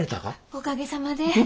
おかげさまで。